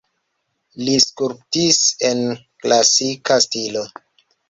Li skulptis en klasika stilo.